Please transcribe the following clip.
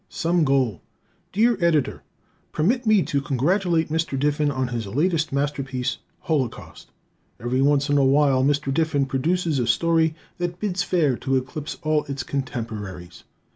Some Goal! Dear Editor: Permit me to congratulate Mr. Diffin on his latest masterpiece, "Holocaust." Every once in a while Mr. Diffin produces a story that bids fair to eclipse all its contemporaries.